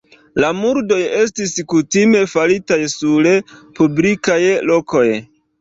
La murdoj estis kutime faritaj sur publikaj lokoj.